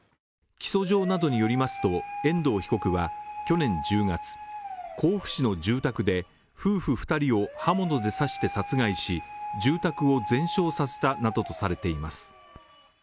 起訴状などによりますと、遠藤被告は去年１０月、甲府市の住宅で夫婦２人を刃物で刺して殺害し住宅を全焼させたなどとされています。